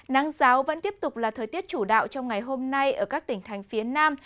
nắng giáo vẫn tiếp tục là thời tiết chủ đạo trong ngày hôm nay ở các tỉnh thành phía nam